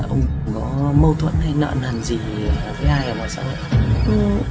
ông có mâu thuẫn hay nạn hẳn gì với ai ở ngoài xã hội ạ